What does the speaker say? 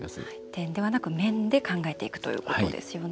点ではなく面で考えていくということですよね。